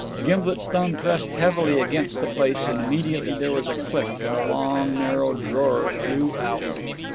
Gimblet's thumb pressed heavily against the place, and immediately there was a click, and a long narrow drawer flew out.